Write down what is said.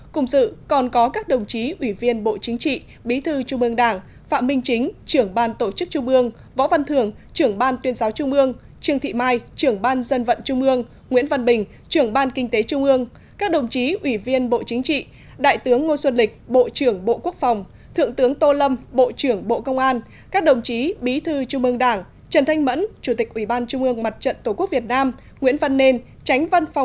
cùng sự còn có các đồng chí ủy viên bộ chính trị bí thư trung ương đảng phạm minh chính trưởng ban tổ chức trung ương võ văn thường trưởng ban tuyên giáo trung ương trương thị mai trưởng ban dân vận trung ương nguyễn văn bình trưởng ban kinh tế trung ương các đồng chí ủy viên bộ chính trị đại tướng ngô xuân lịch bộ trưởng bộ quốc phòng thượng tướng tô lâm bộ trưởng bộ công an các đồng chí bí thư trung ương đảng trần thanh mẫn chủ tịch ủy ban trung ương mặt trận tổ quốc việt nam nguyễn văn nên tránh văn ph